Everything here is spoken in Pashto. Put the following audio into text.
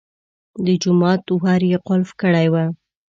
د جومات ور یې قلف کړی و.